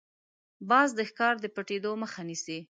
باز د ښکار د پټېدو مخه نیسي